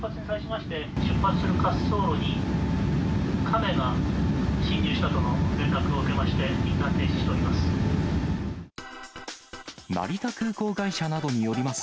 出発する滑走路にカメが侵入したとの連絡を受けまして、一旦停止しております。